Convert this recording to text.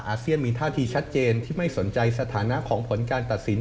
เซียนมีท่าทีชัดเจนที่ไม่สนใจสถานะของผลการตัดสิน